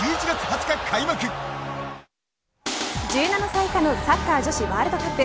１７歳以下のサッカー女子ワールドカップ。